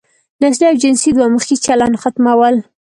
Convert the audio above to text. نسلي او جنسي دوه مخی چلن ختمول.